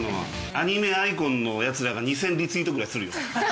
アニメアイコンのヤツらが２０００リツイートぐらいするよ。